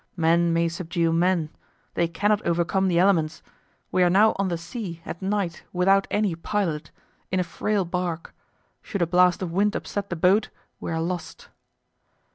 Men may subdue men—they cannot overcome the elements. We are now on the sea, at night, without any pilot, in a frail bark; should a blast of wind upset the boat we are lost."